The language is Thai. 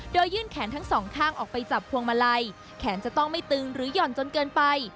โดยยื่นแขนทั้งสองข้างออกไปจับพวงมาลัยแขนจะต้องไม่ตึงหรือห่อนจนเกินไป